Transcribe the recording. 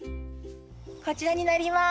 こちらになります。